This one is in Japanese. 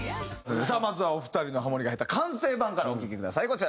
さあまずはお二人のハモリが入った完成版からお聴きください。